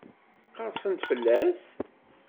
Qerrsen-d fell-as?